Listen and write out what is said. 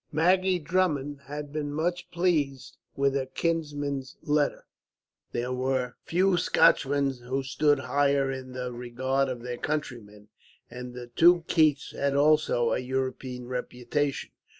Maggie Drummond had been much pleased with her kinsman's letter. There were few Scotchmen who stood higher in the regard of their countrymen, and the two Keiths had also a European reputation.